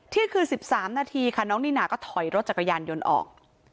เที่ยงคืน๑๓นาทีค่ะน้องนิน่าก็ถอยรถจักรยานยนต์ออก